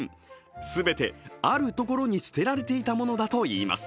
全て、あるところに捨てられていたものだといいます。